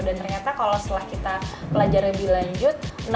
dan ternyata kalau setelah kita belajar lebih lanjut